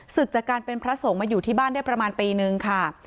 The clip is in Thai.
จากการเป็นพระสงฆ์มาอยู่ที่บ้านได้ประมาณปีนึงค่ะ